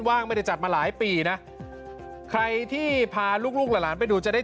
ว่างไม่ได้จัดมาหลายปีนะใครที่พาลูกลูกหลานไปดูจะได้